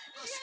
ya pasti ya